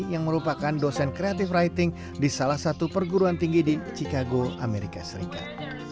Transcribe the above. yang merupakan dosen kreatif writing di salah satu perguruan tinggi di chicago amerika serikat